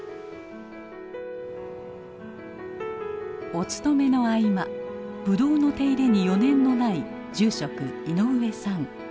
お勤めの合間ブドウの手入れに余念のない住職井上さん。